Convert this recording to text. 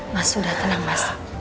mas sudah tenang mas